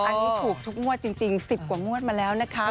อันนี้ถูกทุกงวดจริง๑๐กว่างวดมาแล้วนะคะ